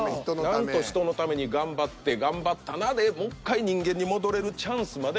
なんと人のために頑張って頑張ったなでもっかい人間に戻れるチャンスまで。